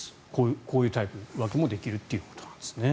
こういうタイプ分けもできるということなんですね。